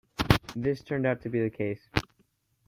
This turned out to be the case.